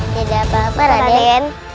tidak apa apa raden